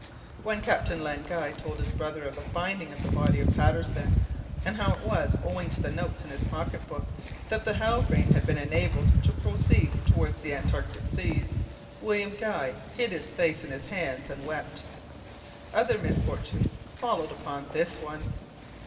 When Captain Len Guy told his brother of the finding of the body of Patterson, and how it was owing to the notes in his pocket book that the Halbrane had been enabled to proceed towards the antarctic seas, William Guy hid his face in his hands and wept. Other misfortunes followed upon this one.